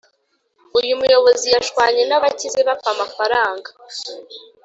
Uyumuyobozi yashwanye nabakize bapfa amafaranga